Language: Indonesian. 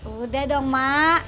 udah dong mak